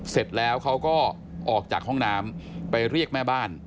เสร็จแล้วเขาก็ออกจากห้องน้ำไปเรียกแม่บ้าน